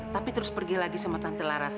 tapi terus pergi lagi sama tante laras